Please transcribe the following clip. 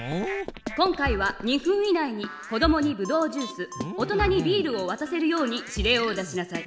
今回は２分以内に子どもにブドウジュース大人にビールをわたせるように指令を出しなさい。